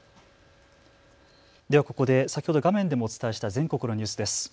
ではここで先ほど画面でもお伝えした全国のニュースです。